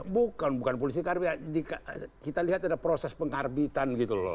bukan bukan politisi karbitan kita lihat ada proses pengkarbitan